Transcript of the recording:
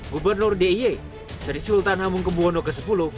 gubernur d i y seri sultan hamung kebuwono x